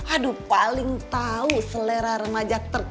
aduh paling tahu selera remaja tertentu